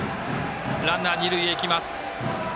ランナー、二塁へ行きます。